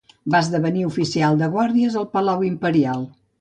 Va esdevenir oficial de guàrdies al palau imperial.